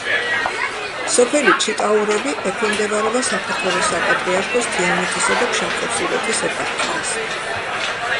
სოფელი ჩიტაურები ექვემდებარება საქართველოს საპატრიარქოს თიანეთისა და ფშავ-ხევსურეთის ეპარქიას.